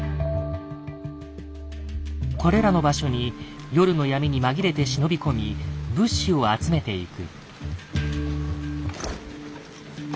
これらの場所に夜の闇に紛れて忍び込み物資を集めていく。